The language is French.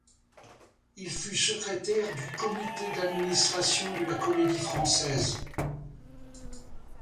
Il fut secrétaire du comité d'administration de la Comédie-Française.